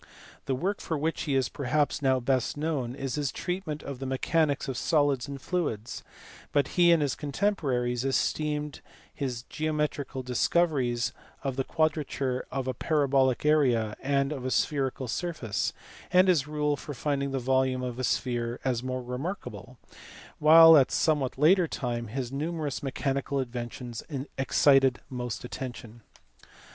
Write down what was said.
The work for which he is perhaps now best known is his treatment of the mechanics of solids and fluids; but he and his contemporaries esteemed his geo metrical discoveries of the quadrature of a parabolic area and of a spherical surface, and his rule for finding the volume of a sphere as more remarkable; while at a somewhat later time his numerous mechanical inventions excited most attention.